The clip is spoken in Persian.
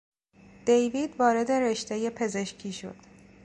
دیوید وارد رشتهی پزشکی شد.